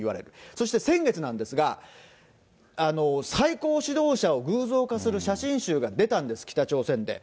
そして先月なんですが、最高指導者を偶像化する写真集が出たんです、北朝鮮で。